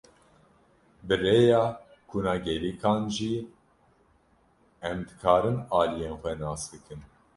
Bi rêya kuna gêrîkan jî em dikarin aliyên xwe nas bikin.